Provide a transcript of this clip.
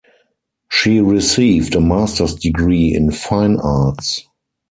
She received a master's degree in fine arts.